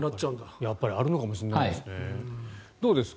やっぱりあるのかもしれないですね。